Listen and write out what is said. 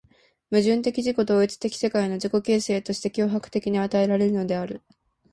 矛盾的自己同一的世界の自己形成として強迫的に与えられるのである。